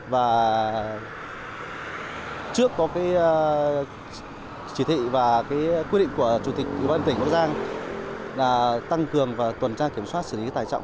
với chỉ thị và quyết định của chủ tịch văn tỉnh bắc giang là tăng cường và tuần tra kiểm soát xử lý tải trọng